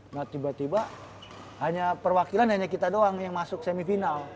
nah tiba tiba hanya perwakilan hanya kita doang yang masuk semifinal